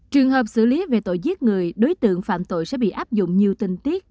trường hợp xử lý về tội giết người đối tượng phạm tội sẽ bị áp dụng nhiều tình tiết